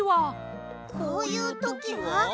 こういうときは？